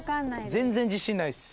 全然自信ないです